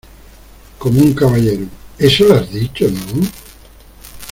como un caballero. ¿ eso le has dicho, no?